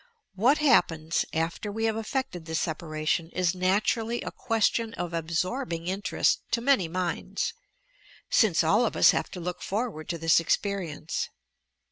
What happens after we have effected this separation is naturally a question of absorbing in terest to many minds, since all of ua have to look for ward to this experience.